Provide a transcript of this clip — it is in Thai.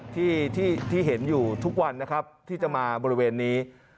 ที่เห็นอยู่ทุกวันนะครับที่จะมาบริเวณนี้